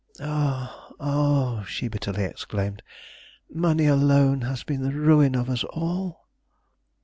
Ah! ah," she bitterly exclaimed "money alone has been the ruin of us all!"